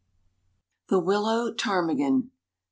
] THE WILLOW PTARMIGAN.